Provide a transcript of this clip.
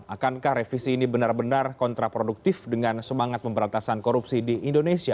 akankah revisi ini benar benar kontraproduktif dengan semangat pemberantasan korupsi di indonesia